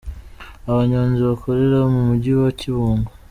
Abanyonzi bakorera mu mujyi wa Kibungo.